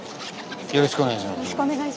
よろしくお願いします。